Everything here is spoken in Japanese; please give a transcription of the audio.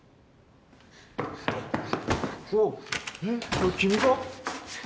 これ君が？